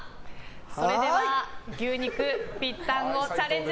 それでは牛肉ぴったんこチャレンジ